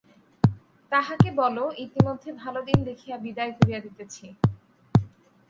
তাহাকে বল ইতিমধ্যে ভাল দিন দেখিয়া বিদায় করিয়া দিতেছি।